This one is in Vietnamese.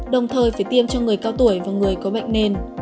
đồng thời phải tiêm cho người cao tuổi và người có bệnh nền